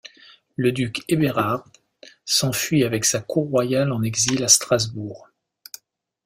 Le duc Eberhard, s'enfuit avec sa cour royale en exil à Strasbourg.